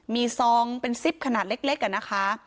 มีซองเป็นซิปขนาดเล็กนะคะ